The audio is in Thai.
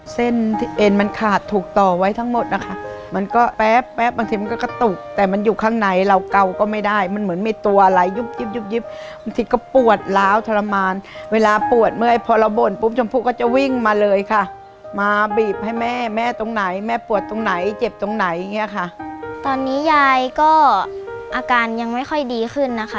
เส้นที่เอ็นมันขาดถูกต่อไว้ทั้งหมดนะคะมันก็แป๊บแป๊บบางทีมันก็กระตุกแต่มันอยู่ข้างในเราเกาก็ไม่ได้มันเหมือนมีตัวอะไรยุบยิบยุบยิบบางทีก็ปวดล้าวทรมานเวลาปวดเมื่อยพอเราบ่นปุ๊บชมพูก็จะวิ่งมาเลยค่ะมาบีบให้แม่แม่ตรงไหนแม่ปวดตรงไหนเจ็บตรงไหนอย่างเงี้ยค่ะตอนนี้ยายก็อาการยังไม่ค่อยดีขึ้นนะคะ